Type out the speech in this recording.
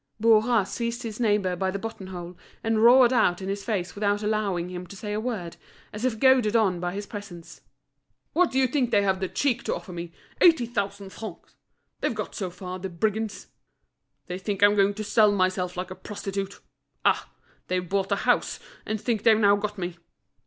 Bourras seized his neighbour by the button hole, and roared out in his face without allowing him to say a word, as if goaded on by his presence: "What do you think they have the cheek to offer me? Eighty thousand francs! They've got so far, the brigands! they think I'm going to sell myself like a prostitute. Ah! they've bought the house, and think they've now got me.